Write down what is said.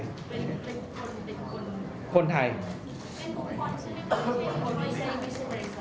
เป็นบุคคลใช่ไหมครับ